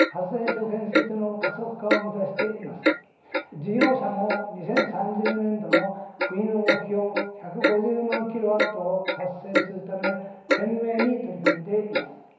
事業者も２０３０年度の国の目標１５０万キロワットを達成するため懸命に取り組んでいます。